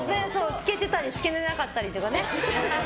透けてたり透けてなかったりとかね。